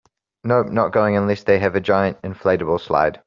Nope, not going unless they have a giant inflatable slide.